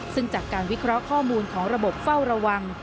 ซึ่งจากการวิเคราะห์ข้อมูลของระบบเฝ้าระวัง